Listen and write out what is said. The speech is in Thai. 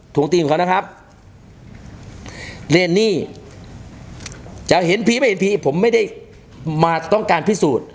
ท้วงติ่งของเขานะครับเรียนนี่จะเห็นเป็นพี่ไม่ได้มาต้องการพิสูจน์